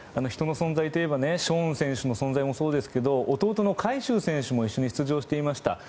人の存在といえばショーン選手の存在もそうですけど弟の海祝選手も一緒に出場していました。